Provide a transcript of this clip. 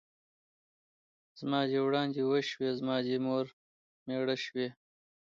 ـ زما دې وړاندې وشوې ، زما دې مور مېړه شوې.